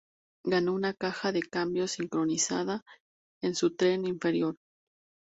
Ganó una caja de cambios sincronizada en su tren inferior.